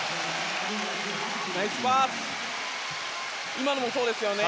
今のもそうですね。